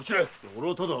俺はただ。